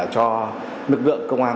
cho lực lượng công an